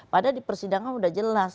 padahal di persidangan sudah jelas